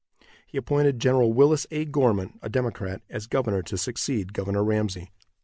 He appointed Gen. Willis A. Gorman, a Democrat, as governor to succeed Governor Ramsey.